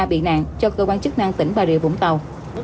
bị nạn cho cơ quan chức năng tỉnh bà rịa vũng tàu